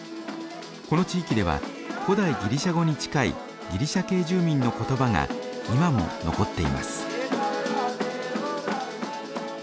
この地域では古代ギリシャ語に近いギリシャ系住民の言葉が今も残っています。